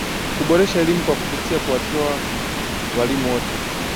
kuboresha elimu kwa kupitia kuwatoa walimu wote